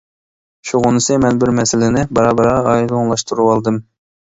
شۇغىنىسى مەن بىر مەسىلىنى بارا-بارا ئايدىڭلاشتۇرۇۋالدىم.